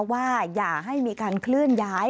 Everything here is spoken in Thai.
ว่าอย่าให้มีการเคลื่อนย้าย